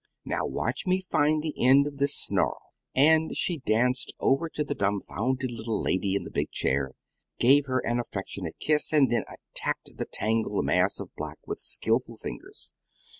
Now watch me find the end of this snarl!" And she danced over to the dumbfounded little lady in the big chair, gave her an affectionate kiss, and then attacked the tangled mass of black with skilful fingers.